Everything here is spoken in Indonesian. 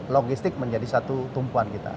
logistik menjadi satu tumpuan kita